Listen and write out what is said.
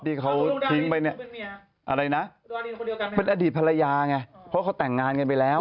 ที่เขาทิ้งไปเนี่ยอะไรนะเป็นอดีตภรรยาไงเพราะเขาแต่งงานกันไปแล้ว